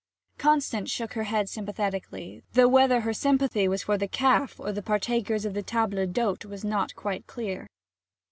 Constance shook her head sympathetically; though whether her sympathy was for the calf or the partakers of table d'hôte was not quite clear.